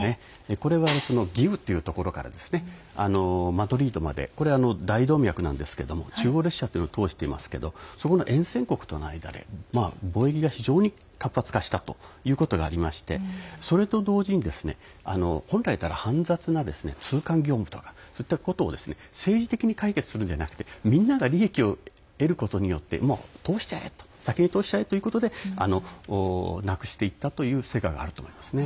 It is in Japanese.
これは義烏というところからマドリードまでこれは大動脈なんですけど中欧列車を通してますけどそこの沿線国との間で貿易が非常に活発化したということがありましてそれと同時に本来で言ったら煩雑な通関業務とかそういったことを政治的に解決するんじゃなくてみんなが利益を得ることによって先に通しちゃえということでなくしていったという成果があると思いますね。